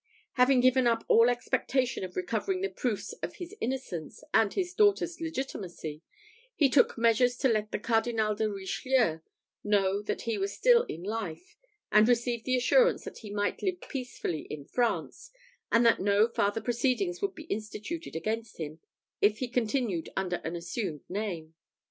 Having given up all expectation of recovering the proofs of his innocence, and his daughter's legitimacy, he took measures to let the Cardinal de Richelieu know that he was still in life; and received the assurance that he might live peacefully in France, and that no farther proceedings would be instituted against him, if he continued under an assumed name.